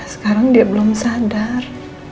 sekarang dia belum sadar